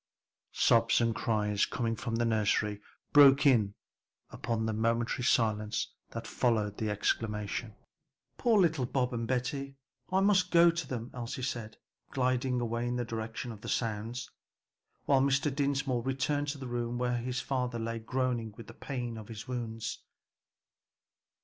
Sobs and cries coming from the nursery broke in upon the momentary silence that followed the exclamation. "Poor little Bob and Betty, I must go to them," Elsie said, gliding away in the direction of the sounds, while Mr. Dinsmore returned to the room where his father lay groaning with the pain of his wounds.